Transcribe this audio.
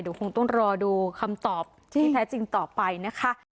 เดี๋ยวคงต้องรอดูคำตอบที่แท้จริงต่อไปนะคะ